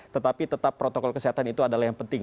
tetapi tetap protokol kesehatan itu adalah yang penting